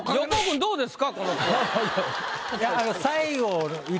どうですか？